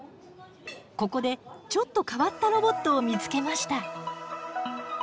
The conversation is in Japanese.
ここでちょっと変わったロボットを見つけました。